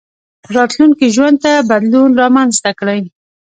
راتلونکي ژوند ته بدلون رامنځته کړئ.